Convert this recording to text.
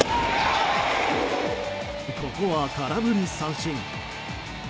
ここは空振り三振。